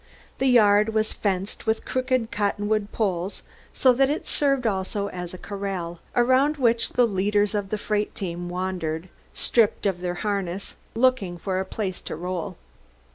The yard was fenced with crooked cottonwood poles so that it served also as a corral, around which the leaders of the freight team wandered, stripped of their harness, looking for a place to roll.